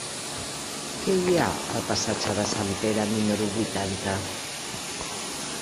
Què hi ha al passatge de Sant Pere número vuitanta?